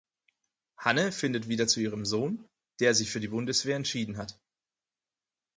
Hanne findet wieder zu ihrem Sohn, der sich für die Bundeswehr entschieden hat.